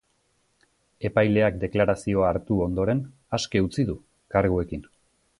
Epaileak deklarazioa hartu ondoren aske utzi du, karguekin.